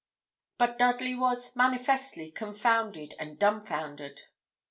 But Dudley was, manifestly, confounded and dumbfoundered.